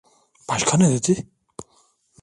Başka ne dedi?